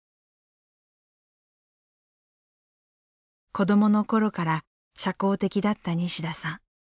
子どものころから社交的だった西田さん。